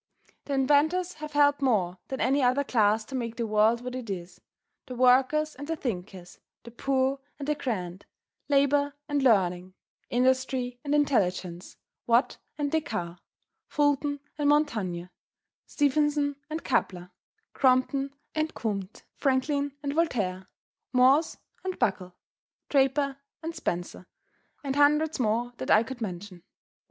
The inventors have helped more than any other class to make the world what it is; the workers and the thinkers, the poor and the grand; labor and learning, industry and intelligence; Watt and Descartes, Fulton and Montaigne, Stephenson and Kepler, Crompton and Comte, Franklin and Voltaire, Morse and Buckle, Draper and Spencer, and hundreds more that I could mention.